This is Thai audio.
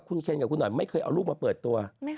คุณเคนกับคุณหน่อยไม่เคยเอาลูกมาเปิดตัว